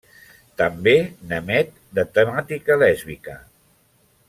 També n'emet de temàtica lèsbica.